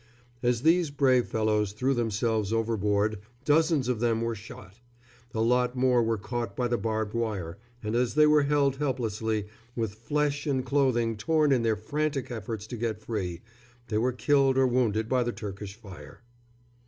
As these brave fellows threw themselves overboard dozens of them were shot; a lot more were caught by the barbed wire, and as they were held helplessly, with flesh and clothing torn in their frantic efforts to get free, they were killed or wounded by the Turkish fire.